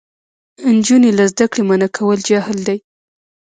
نجونې له زده کړې منع کول جهل دی.